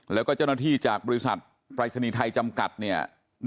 แล้วก็เจ้าหน้าที่จากบริษัทปรายศนีย์ไทยจำกัดเนี่ย